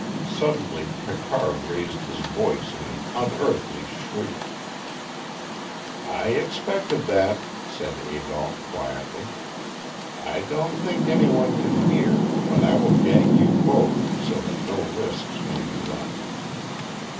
Suddenly Picard raised his voice in an unearthly shriek. "I expected that," said Adolph, quietly. "I don't think anyone can hear, but I will gag you both, so that no risks may be run."